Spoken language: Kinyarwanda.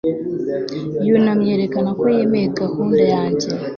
Yunamye yerekana ko yemeye gahunda yanjye